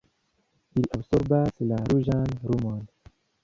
Ili absorbas la ruĝan lumon.